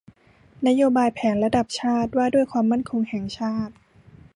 นโยบายแผนระดับชาติว่าด้วยความมั่นคงแห่งชาติ